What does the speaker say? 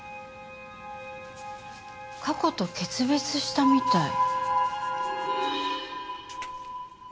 過去と決別したみたい。